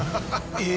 え！？